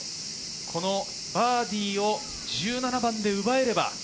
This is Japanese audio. このバーディーを１７番で奪えれば。